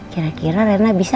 kira kira rena bisa